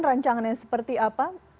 rancangan yang seperti apa